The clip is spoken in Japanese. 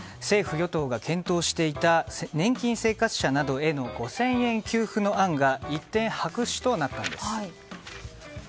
政府与党が検討していた年金生活者などへの５０００円給付の案が一転白紙となったんです。